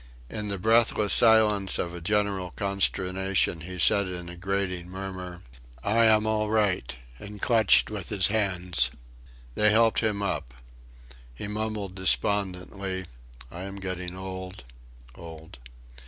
In the breathless silence of a general consternation, he said in a grating murmur: "I am all right," and clutched with his hands. They helped him up. He mumbled despondently: "I am getting old... old."